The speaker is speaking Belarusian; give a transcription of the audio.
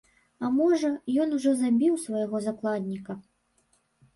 А можа, ён ужо забіў свайго закладніка!?